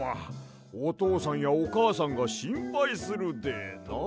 おとうさんやおかあさんがしんぱいするでな？